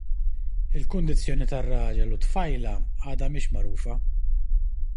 Il-kundizzjoni tar-raġel u t-tfajla għadha mhix magħrufa.